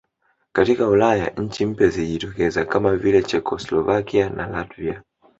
Katika Ulaya nchi mpya zilijitokeza kama vile Chekoslovakia na Latvia